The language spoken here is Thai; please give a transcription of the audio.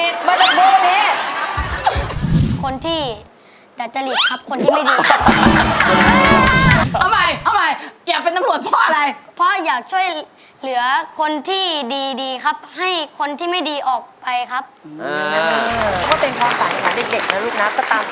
ตำรวจมันก็ไม่จับผู้หลาย